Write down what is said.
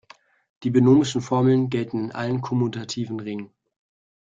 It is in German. Die binomischen Formeln gelten in allen kommutativen Ringen.